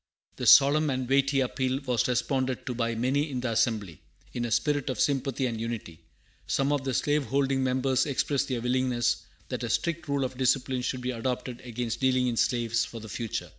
This solemn and weighty appeal was responded to by many in the assembly, in a spirit of sympathy and unity. Some of the slave holding members expressed their willingness that a strict rule of discipline should be adopted against dealing in slaves for the future.